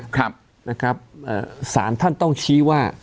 นะครับศาลท่านต้องชี้ว่า